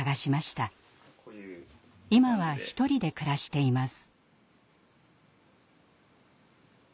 今は一人で暮らしています。